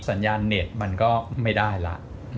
สัญญาณเน็ตมันก็ไม่ได้ละ